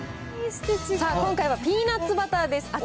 今回はピーナッツバターです。